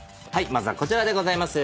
まずはこちらでございます。